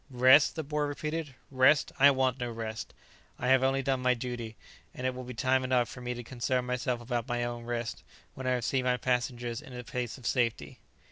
"Rest!" the boy repeated; "rest! I want no rest. I have only done my duty, and it will be time enough for me to concern myself about my own rest, when I have seen my passengers in a place of safety."